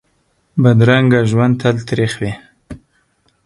بدرنګه ژوند تل تریخ وي